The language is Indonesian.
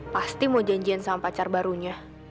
pasti mau janjian sama pacar barunya